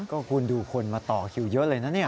ก็คุณดูคนมาต่อคิวเยอะเลยนะเนี่ย